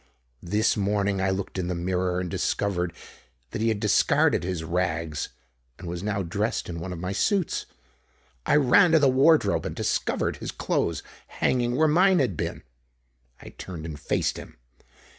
This morning I looked in the mirror and discovered that he had discarded his rags and was now dressed in one of my suits. I ran to the wardrobe and discovered his clothes hanging where mine had been. I turned and faced him.